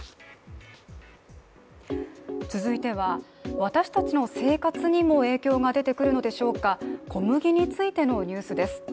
続いては私たちの生活にも影響が出てくるのでしょうか、小麦についてのニュースです。